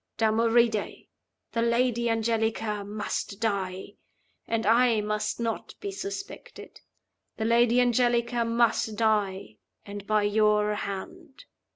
'Damoride! the Lady Angelica must die and I must not be suspected. The Lady Angelica must die and by your hand.